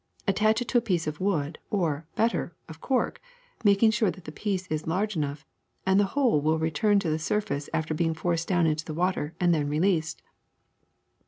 Attach to it a piece of wood or, better, of cork, making sure that the piece is large enough, and the whole will return to the surface after being forced down into the water and then released.